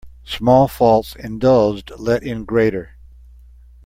Small faults indulged let in greater.